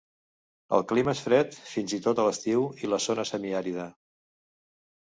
El clima és fred fins i tot a l'estiu i la zona se semi àrida.